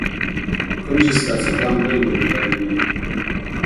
کوم چې ستاسې پام بل لور ته اړوي :